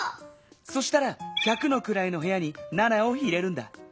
そしたら百のくらいのへやに７を入れるんだ。